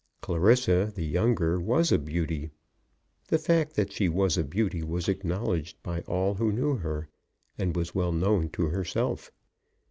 Clarissa, the younger, was a beauty. The fact that she was a beauty was acknowledged by all who knew her, and was well known to herself.